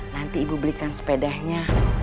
nanti ibu belikan sepedanya